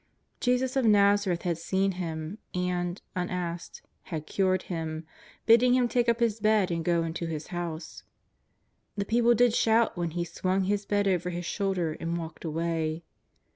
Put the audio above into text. Jesus of Nazareth had seen him, and, unasked, had cured him, bidding him take up his bed and go into his house. The people did shout when he swung his bed over his shoulder and walked away.